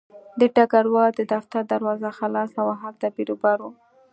د ډګروال د دفتر دروازه خلاصه وه او هلته بیروبار و